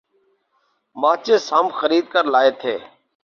ماچس ہم خرید کر لائے تھے ۔